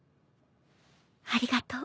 ありがとう。